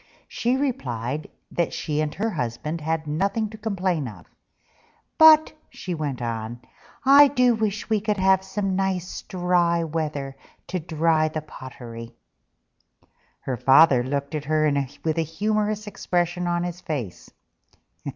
She replied that she and her husband had nothing to complain of: "But," she went on, "I do wish we could have some nice dry weather, to dry the pottery." Her Father looked at her with a humorous expression on his face.